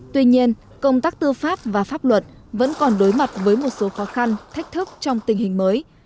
tuy nhiên công tác tư pháp và pháp luật vẫn còn đối mặt với một số khó khăn thách thức trong tình hình mới